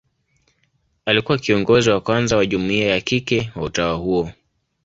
Alikuwa kiongozi wa kwanza wa jumuia ya kike wa utawa huo.